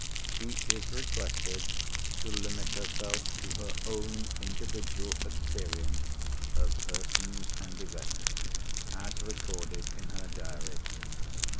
She is requested to limit herself to her own individual experience of persons and events, as recorded in her diary.